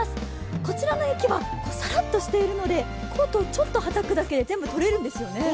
こちらの雪はさらっとしているのでコートをちょっとはたくだけで全部取れるんですよね。